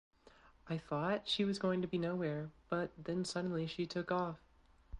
I thought she was going to be nowhere but then suddenly she took off.